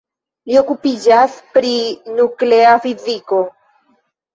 Li okupiĝas pri nuklea fiziko.